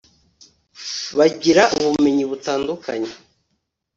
bagira ubumenyi butandukanye